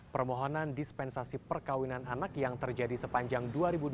permohonan dispensasi perkawinan anak yang terjadi sepanjang dua ribu dua puluh